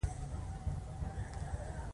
میوې د ویټامینونو سرچینه ده.